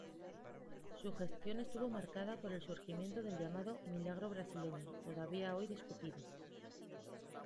Su gestión estuvo marcada por el surgimiento del llamado "milagro brasileño", todavía hoy discutido.